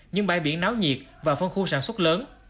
những bãi biển náo nhiệt và phân khu sản xuất lớn